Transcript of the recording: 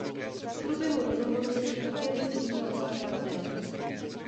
V průběhu rozhovoru se jí důvěrně zmínil o svém partnerovi.